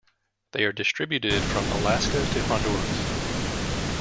They are distributed from Alaska to Honduras.